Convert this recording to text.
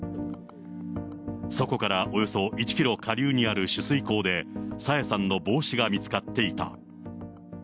そこからおよそ１キロ下流にある取水口で、朝芽さんの帽子が見つかっていた。